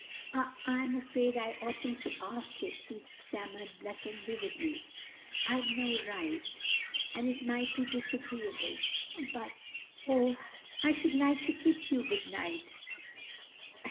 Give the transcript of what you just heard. "I I'm afraid I oughtn't to ask it," he stammered, blushing vividly, "I've no right, and and it might be disagreeable, but oh, I should like to kiss you good night!"